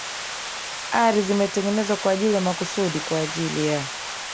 ari zimetengenezwa kwa ajili maksudi kwajili ya